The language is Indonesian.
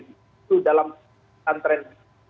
itu dalam antren